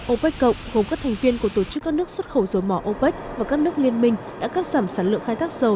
opec cộng gồm các thành viên của tổ chức các nước xuất khẩu dầu mỏ opec và các nước liên minh đã cắt giảm sản lượng khai thác dầu